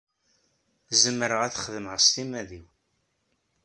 Zemreɣ ad t-xedmeɣ s timmad-iw.